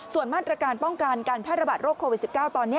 ส่วนมาตรการป้องกันการแพร่ระบาดโรคโควิด๑๙ตอนนี้